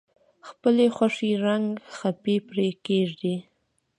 خپلې خوښې رنګه خپې پرې کیږدئ.